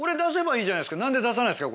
何で出さないんですか？